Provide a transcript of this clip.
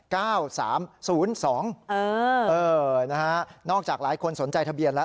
เออนะฮะนอกจากหลายคนสนใจทะเบียนแล้ว